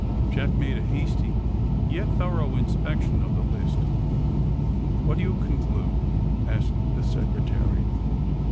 Jack made a hasty yet thorough inspection of the list. What do you conclude?" asked the Secre tary.